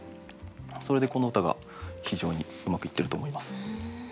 それでこの歌が非常にうまくいってると思います。